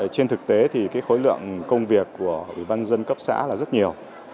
trên thực tế thì khối lượng công việc của ủy ban dân cấp xã là rất nhiều